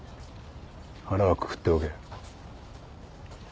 腹はくくっておけ。